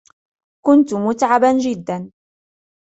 كنت متعبا جدا.